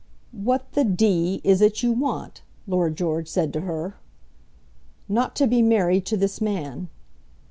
"What the d is it you want?" Lord George said to her. "Not to be married to this man."